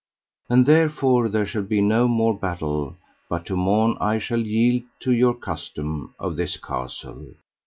And therefore there shall be no more battle, but to morn I shall yield you your custom of this castle.